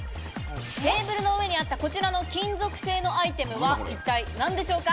テーブルの上にあったこちらの金属製のアイテムは一体何でしょうか？